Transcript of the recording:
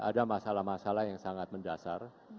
ada masalah masalah yang sangat mendasar